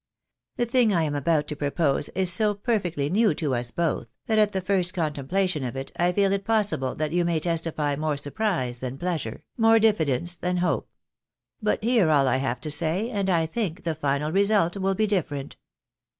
The thing I am about to propose is so perfectly new to us both, that at the first contemplation of it I feel it possible that you may testify more surprise than pleasure — ^more difiidence than hope. But hear all I have to say, and I think the final result wiU be different.